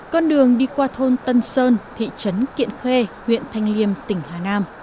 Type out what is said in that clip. con đường đi qua thôn tân sơn thị trấn kiện khê huyện thanh liêm tỉnh hà nam